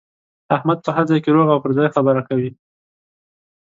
احمد په هر ځای کې روغه او پر ځای خبره کوي.